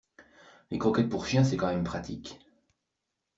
Les croquettes pour chien c'est quand même pratique.